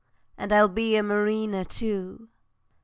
_ And I'll be a mariner too!